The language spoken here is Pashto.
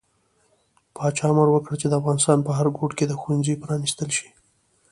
پاچا امر وکړ چې د افغانستان په هر ګوټ کې د ښوونځي پرانستل شي.